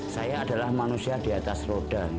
saya adalah manusia di atas roda